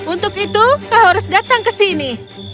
untuk itu kau harus datang ke sini